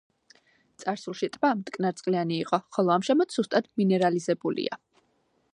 წარსულში ტბა მტკნარწყლიანი იყო, ხოლო ამჟამად სუსტად მინერალიზებულია.